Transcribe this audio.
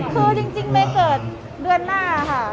คือจริงเมย์เกิดเดือนหน้าค่ะ